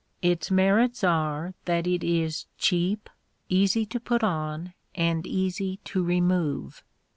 Its merits are that it is cheap, easy to put on and easy to remove.